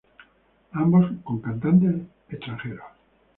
Ambos con cantantes extranjeros.